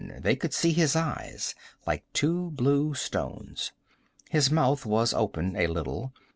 They could see his eyes, like two blue stones. His mouth was open a little.